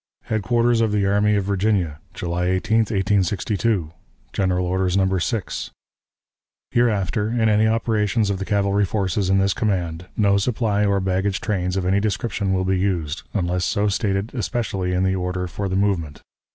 _" "HEADQUARTERS OF THE ARMY OF VIRGINIA, July 18, 1862. "(GENERAL ORDERS, No. 6.) "Hereafter, in any operations of the cavalry forces in this command, no supply or baggage trains of any description will be used, unless so stated especially in the order for the movement.